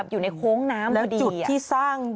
ปรากฏว่า